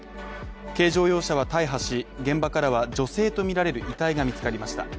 軽乗用車は大破し、現場からは女性とみられる遺体が見つかりました。